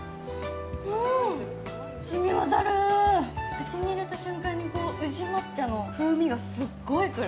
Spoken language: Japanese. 口に入れた瞬間に宇治抹茶の風味がすごい来る。